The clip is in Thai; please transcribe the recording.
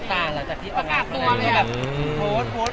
โพสต์ต่างจากที่ออกงานมานั่นแหละ